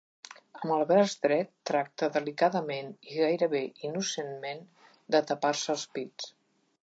Amb el braç dret, tracta delicadament i gairebé innocentment de tapar-se els pits.